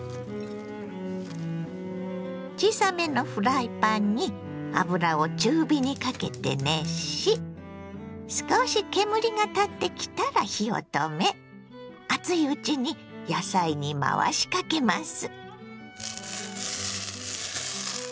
小さめのフライパンに油を中火にかけて熱し少し煙が立ってきたら火を止め熱いうちに野菜に回しかけます。